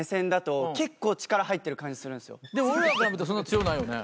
でも俺らから見たらそんな強ないよね。